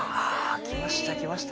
きました、きました。